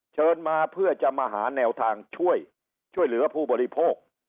เชิญมาเพื่อจะมาหาแนวทางช่วยเหลือผู้บริโภค